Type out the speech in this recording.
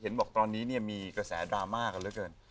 บอกตอนนี้เนี่ยมีกระแสดราม่ากันเหลือเกิน